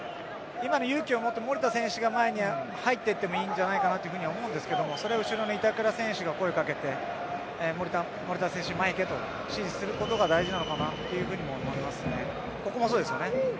今の勇気を持って守田選手が前に入っていってもいいんじゃないかなというふうに思うんですけどそれで後ろで板倉選手は声掛けて守田選手、前行けと指示することが大事なのかなというふうにも思いますね。